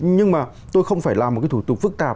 nhưng mà tôi không phải làm một cái thủ tục phức tạp